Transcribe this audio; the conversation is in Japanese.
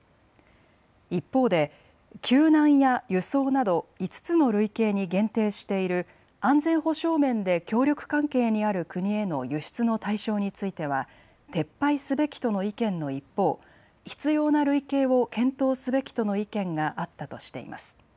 一方で救難や輸送など５つの類型に限定している安全保障面で協力関係にある国への輸出の対象については撤廃すべきとの意見の一方、必要な類型を検討すべきとの意見があったとしています。